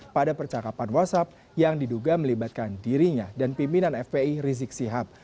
pada percakapan whatsapp yang diduga melibatkan dirinya dan pimpinan fpi rizik sihab